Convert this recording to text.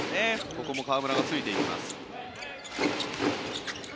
ここも河村がついていきます。